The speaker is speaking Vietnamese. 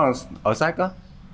thì em học cách của em phúc